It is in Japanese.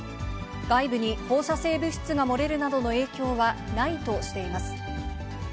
外部に放射性物質が漏れるなどの影響はないとしています。